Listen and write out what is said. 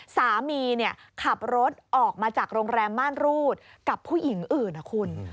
สามีขับรถออกมาจากโรงแรมม่านรูดกับผู้หญิงอื่นนะคุณ